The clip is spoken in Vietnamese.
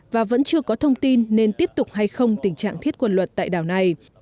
và vẫn chưa có thông tin nên tiếp tục hay không tình trạng thiết quân luật tại đảo này